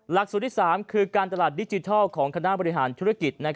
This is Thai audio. หลักสูตรที่๓คือการตลาดดิจิทัลของคณะบริหารธุรกิจ